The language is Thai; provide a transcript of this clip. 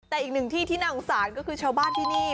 แต่อีกหนึ่งที่ที่น่าสงสารก็คือชาวบ้านที่นี่